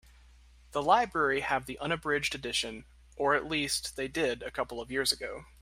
The library have the unabridged edition, or at least they did a couple of years ago.